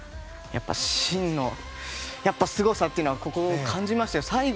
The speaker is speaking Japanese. やっぱり真のすごさというのはここで感じましたよ。